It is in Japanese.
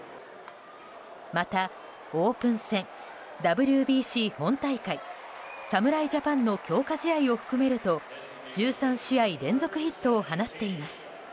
また、オープン戦、ＷＢＣ本大会侍ジャパンの強化試合を含めると１３試合連続ヒットを放っています。